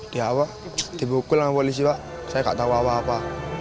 di bawah dibukul sama polisi saya gak tau apa apa